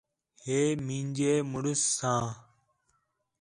ہے مینجے مُݨس ساں